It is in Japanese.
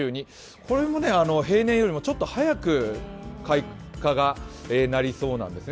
これも平年よりもちょっと早く開花がなりそうなんですね。